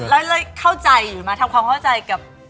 แล้วเข้าใจอยู่ไหมทำความเข้าใจกับ